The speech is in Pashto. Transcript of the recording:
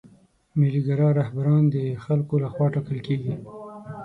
ملي ګرا رهبران د خلکو له خوا ټاکل کیږي.